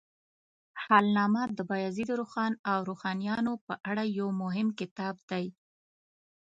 حالنامه د بایزید روښان او روښانیانو په اړه یو مهم کتاب دی.